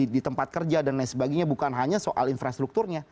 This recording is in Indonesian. di tempat kerja dan lain sebagainya bukan hanya soal infrastrukturnya